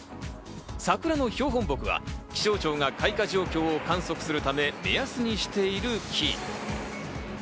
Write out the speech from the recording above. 桜の標本木は気象庁が開花状況を観測するため、目安にしている木。